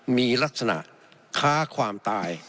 มีลักษณะค้าความตาย